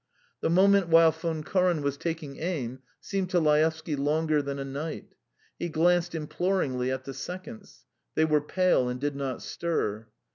The moment while Von Koren was taking aim seemed to Laevsky longer than a night: he glanced imploringly at the seconds; they were pale and did not stir.